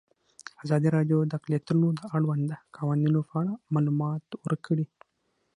ازادي راډیو د اقلیتونه د اړونده قوانینو په اړه معلومات ورکړي.